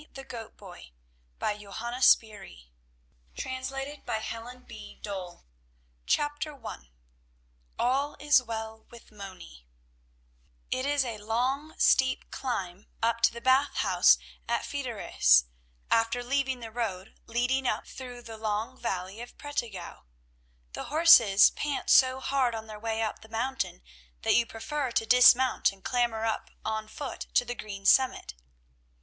In it lay a cross set with a large number of stones" CHAPTER I ALL IS WELL WITH MONI It is a long, steep climb up to the Bath House at Fideris, after leaving the road leading up through the long valley of Prättigau. The horses pant so hard on their way up the mountain that you prefer to dismount and clamber up on foot to the green summit.